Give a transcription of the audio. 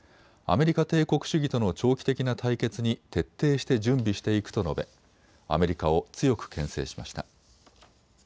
アメリカ帝国主義との長期的な対決に徹底して準備していくと述べアメリカを強くけん制しました。